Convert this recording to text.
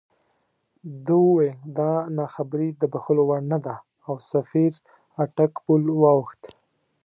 ده وویل دا ناخبري د بښلو وړ نه ده او سفیر اټک پُل واوښت.